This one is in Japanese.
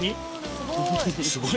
すごい！